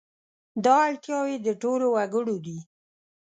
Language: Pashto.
دا اړتیاوې د ټولو وګړو دي.